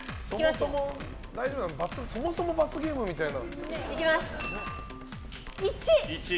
そもそも罰ゲームみたいな。